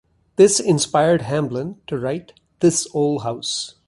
This inspired Hamblen to write "This Ole House".